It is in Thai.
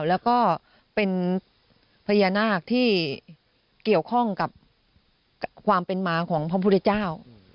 แล้วก็เป็นพญานาคที่เกี่ยวข้องกับความเป็นมาของพระพุทธเจ้า